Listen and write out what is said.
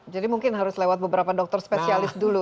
jadi mungkin harus lewat beberapa dokter spesialis dulu